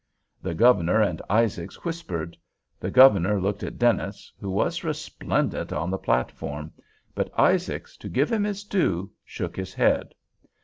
The Governor and Isaacs whispered. The Governor looked at Dennis, who was resplendent on the platform; but Isaacs, to give him his due, shook his head.